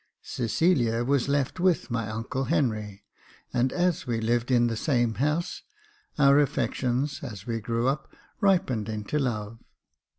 Cecilia was left with my uncle Henry, and as we lived in the same house, our affections, as we grew up, ripened into love.